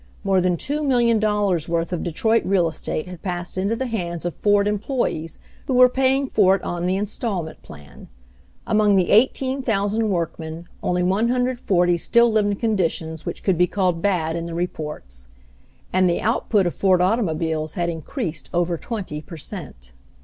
More than two million dollars' worth of Detroit real estate had passed into the hands of Ford employees, who were paying for it on the installment plan. Among the 18,000 work men only 140 still lived in conditions which could be called "bad" in the reports. And the output of Ford automobiles had in creased over 20 per cent.